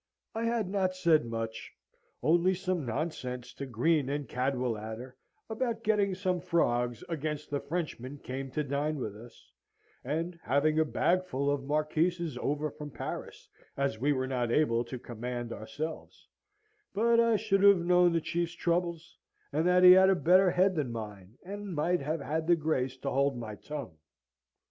I had not said much, only some nonsense to Greene and Cadwalader about getting some frogs against the Frenchman came to dine with us, and having a bagful of Marquises over from Paris, as we were not able to command ourselves; but I should have known the Chief's troubles, and that he had a better head than mine, and might have had the grace to hold my tongue.